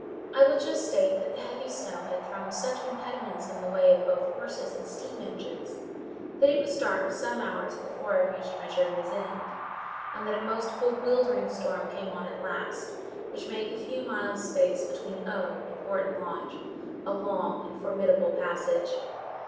I will just state that the heavy snow had thrown such impediments in the way of both horses and steam engines, that it was dark some hours before I reached my journey's end, and that a most bewildering storm came on at last, which made the few miles' space between O—— and Horton Lodge a long and formidable passage.